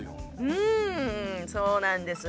うんそうなんです。